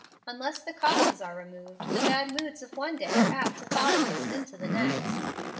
Unless the causes are removed, the bad moods of one day are apt to follow us into the next.